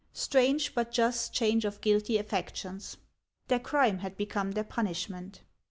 Strange but just change of guilty affections ! Their crime had become their punishment.